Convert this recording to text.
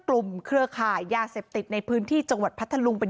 เครือข่ายยาเสพติดในพื้นที่จังหวัดพัทธลุงเป็น